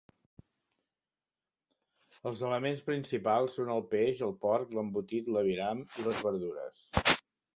Els elements principals són el peix, el porc, l'embotit, l'aviram i les verdures.